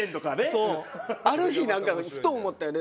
ある日なんかふと思ったよね